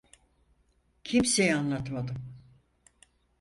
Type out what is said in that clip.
Kimseye anlatmadım.